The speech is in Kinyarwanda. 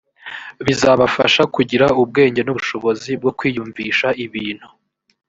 bizabafasha kugira ubwenge n ubushobozi bwo kwiyumvisha ibintu